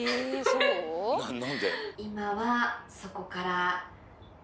今はそこから。